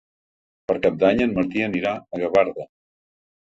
Per Cap d'Any en Martí anirà a Gavarda.